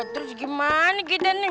terus gimana kita nih